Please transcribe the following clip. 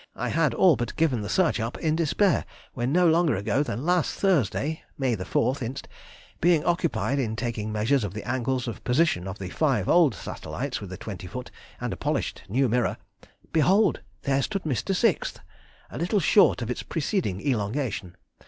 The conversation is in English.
I had all but given the search up in despair, when no longer ago than last Thursday (May 4th inst.), being occupied in taking measures of the angles of position of the five old satellites with the twenty foot and a polished new mirror, behold, there stood Mr. Sixth! a little short of its preceding elongation.